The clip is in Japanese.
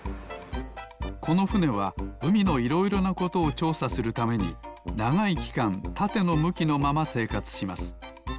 このふねはうみのいろいろなことをちょうさするためにながいきかんたてのむきのまませいかつします。